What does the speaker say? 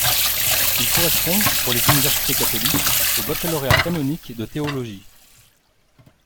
Il correspond pour les universités catholiques au Baccalauréat canonique de théologie.